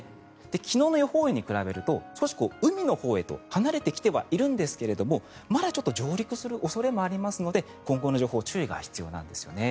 昨日の予報円に比べると海のほうに離れてきてはいるんですがまだちょっと上陸する恐れもありますので今後の情報に注意が必要なんですね。